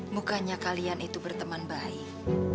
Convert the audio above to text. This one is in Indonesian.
mukanya kalian itu berteman baik